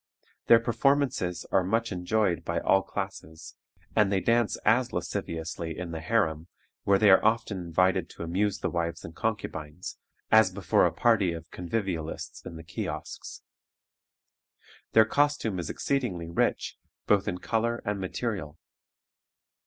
Their performances are much enjoyed by all classes, and they dance as lasciviously in the harem, where they are often invited to amuse the wives and concubines, as before a party of convivialists in the kiosks. Their costume is exceedingly rich, both in color and material.